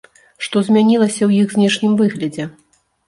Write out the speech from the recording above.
Што змянілася ў іх знешнім выглядзе?